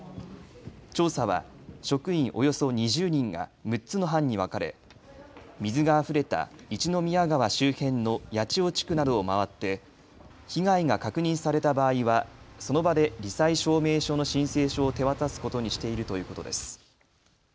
調査は職員およそ２０人が６つの班に分かれ水があふれた一宮川周辺の八千代地区などを回って被害が確認された場合はその場でり災証明書の申請書を手渡すことにしているということです。